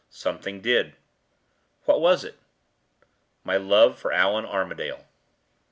"Something did." "What was it?" "My love for Allan Armadale."